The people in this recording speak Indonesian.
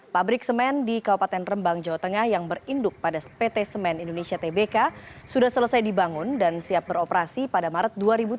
pabrik semen di kabupaten rembang jawa tengah yang berinduk pada pt semen indonesia tbk sudah selesai dibangun dan siap beroperasi pada maret dua ribu tujuh belas